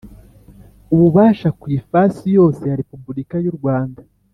ububasha ku ifasi yose ya Repubulika y urwanda